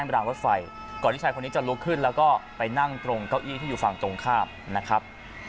รางรถไฟก่อนที่ชายคนนี้จะลุกขึ้นแล้วก็ไปนั่งตรงเก้าอี้ที่อยู่ฝั่งตรงข้ามนะครับ